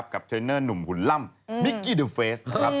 กับเทรนเนอร์หนุ่มหุ่นล่ำมิกกี้เทอร์เฟซ